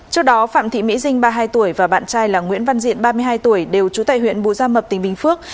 trước đó phạm thị mỹ dinh ba mươi hai tuổi và bạn trai là nguyễn văn diện ba mươi hai tuổi đều trú tại huyện bù gia mập tỉnh bình phước